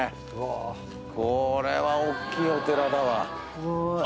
これはおっきいお寺だわ。